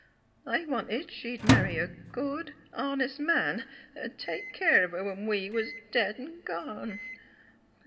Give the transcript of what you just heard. I wanted she sh'd marry a good, honest man, 'at 'd take keer of her when we was dead 'n' gone.